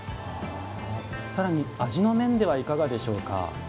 更に味の面ではいかがでしょうか。